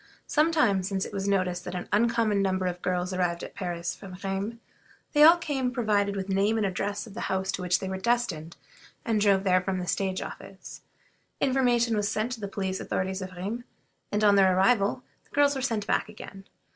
Some time since it was noticed that an uncommon number of girls arrived at Paris from Rheims. They all came provided with the name and address of the houses to which they were destined, and drove there from the stage office. Information was sent to the police authorities of Rheims, and on their arrival the girls were sent back again.